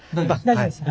大丈夫です。